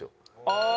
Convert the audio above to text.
ああ。